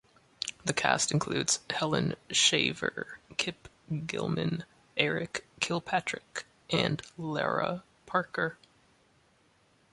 The cast includes Helen Shaver, Kip Gilman, Erik Kilpatrick, and Lara Parker.